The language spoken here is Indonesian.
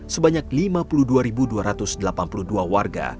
sebanyak lima puluh dua dua ratus delapan puluh dua warga